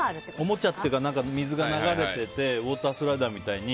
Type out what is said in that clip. おもちゃっていうか水が流れててウォータースライダーみたいに。